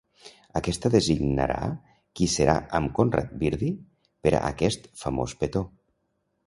Aquesta designarà qui serà amb Conrad Birdie per a aquest famós petó.